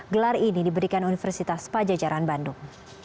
gelar ini diberikan universitas pajajaran bandung